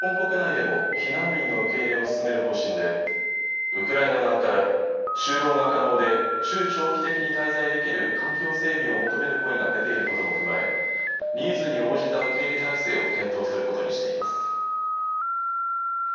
さらに政府は日本国内でも避難民の受け入れを進める方針でウクライナ側から就労が可能で中長期的に滞在できる環境整備を求める声が出ていることも踏まえニーズに応じた受け入れ体制を検討することにしています。